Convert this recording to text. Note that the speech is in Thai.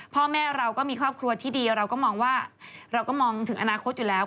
พ่อแม่เราก็มีครอบครัวที่ดีเราก็มองว่าเราก็มองถึงอนาคตอยู่แล้ว